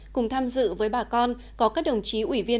cùng tham dự với bà con có các đồng chí ủy viên